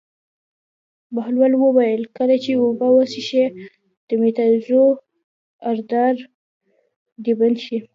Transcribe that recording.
بهلول وویل: کله چې اوبه وڅښې او د متیازو ادرار دې بند شي.